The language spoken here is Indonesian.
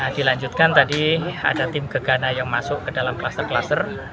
dilanjutkan tadi ada tim gegana yang masuk ke dalam kluster kluster